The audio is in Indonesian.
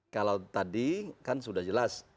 kalau tadi kan sudah jelas